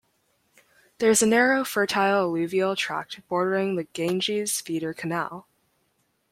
There is a narrow fertile alluvial tract bordering the Ganges Feeder Canal.